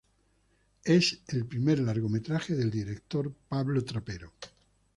Es el primer largometraje del director Pablo Trapero.